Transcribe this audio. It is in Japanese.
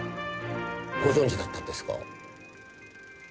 ご存じだったんですか。